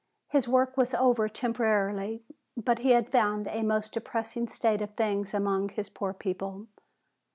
His work was over temporarily, but he had found a most depressing state of things among his poor people.